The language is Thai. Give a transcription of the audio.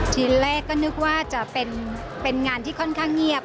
ทีแรกก็นึกว่าจะเป็นงานที่ค่อนข้างเงียบ